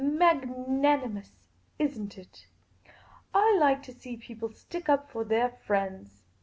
Magnanimous, is n't it? I like to see people stick up for their friends.